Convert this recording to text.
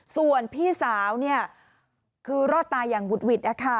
ส่วนพี่สาวคือรอดตายอย่างหุดหวิด